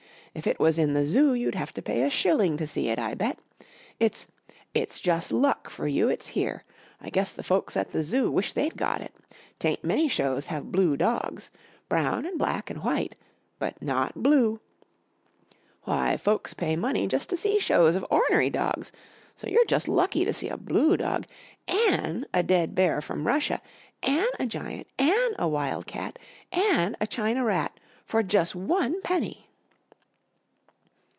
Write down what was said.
If it was in the Zoo you'd have to pay a shilling to see it, I bet. It's it's jus' luck for you it's here. I guess the folks at the Zoo wish they'd got it. Tain't many shows have blue dogs. Brown an' black an' white but not blue. Why, folks pay money jus' to see shows of ornery dogs so you're jus' lucky to see a blue dog an' a dead bear from Russia an' a giant, an' a wild cat, an' a China rat for jus' one penny."